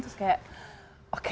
terus kayak oke